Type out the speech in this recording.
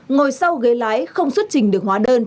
ngồi sau ghế lái không xuất trình được hóa đơn